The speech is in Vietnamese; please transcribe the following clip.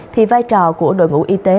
thì vai trò của đội ngũ y tế